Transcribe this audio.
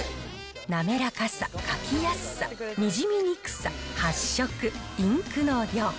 滑らかさ、書きやすさ、にじみにくさ、発色、インクの量。